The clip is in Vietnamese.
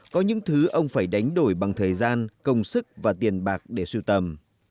có những thứ ông phải đánh đổi bằng thời gian công sức và tiền bạc để siêu tầm